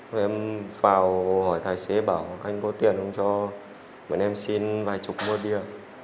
rồi em vào hỏi tài xế bảo anh có tiền không cho bọn em xin vài chục mô địa